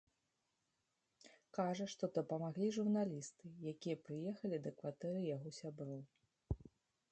Кажа, што дапамаглі журналісты, якія прыехалі да кватэры яго сяброў.